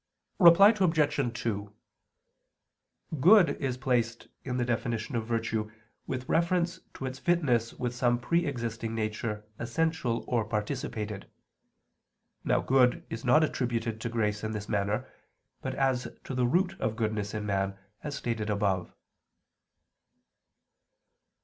Reply Obj. 2: Good is placed in the definition of virtue with reference to its fitness with some pre existing nature essential or participated. Now good is not attributed to grace in this manner, but as to the root of goodness in man, as stated above.